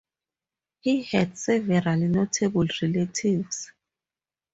He had several notable relatives.